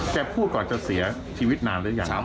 พูดก่อนจะเสียชีวิตนานหรือยัง